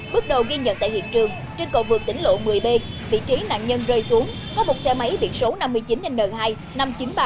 bước đầu ghi nhận tại hiện trường trên cầu vượt tỉnh lộ một mươi b vị trí nạn nhân rơi xuống có một xe máy biển số năm mươi chín n hai năm mươi chín nghìn ba trăm linh bảy